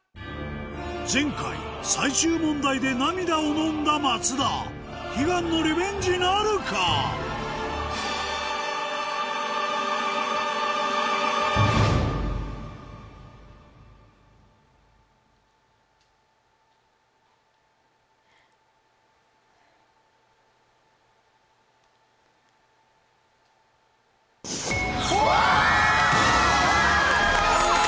前回最終問題で涙をのんだ松田悲願のリベンジなるか⁉わ‼・